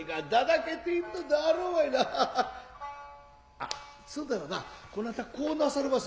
あっそんだらなこなたこうなされませ。